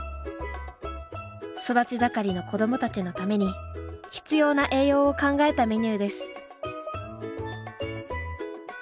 育ち盛りの子どもたちのために必要な栄養を考えたメニューです。